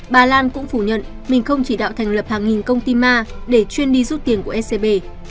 bà lan cũng phủ nhận mình không chỉ đạo thành lập hàng nghìn công ty ma để chuyên đi rút tiền của scb